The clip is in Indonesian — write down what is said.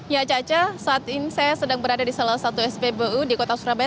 ya caca saat ini saya sedang berada di salah satu spbu di kota surabaya